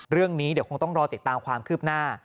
เรื่องนี้เดี๋ยวคงต้องรอติดตามความคืบหน้า